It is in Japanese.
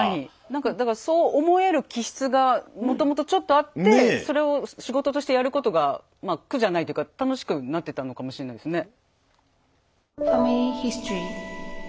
なんかだからそう思える気質がもともとちょっとあってそれを仕事としてやることが苦じゃないっていうか楽しくなっていったのかもしれないですね。